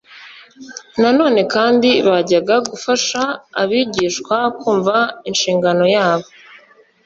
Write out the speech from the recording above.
Na none kandi byajyaga gufasha abigishwa kumva inshingano yabo.